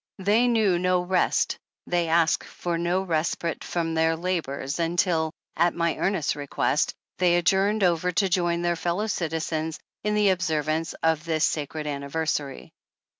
They knew no rest, they asked for no respite from their labors until, at my earnest request, they adjourned over to join their fellow citizens in the observance of this sacred anniversary.